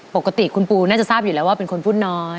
ปกติคุณปูน่าจะทราบอยู่แล้วว่าเป็นคนพูดน้อย